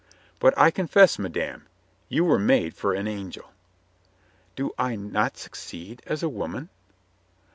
"But I confess, madame, you were made for an angel." "Do I not succeed as a woman?"